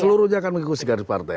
seluruhnya akan mengikuti garis partai